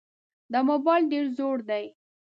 دا موبایل ډېر زوړ دی.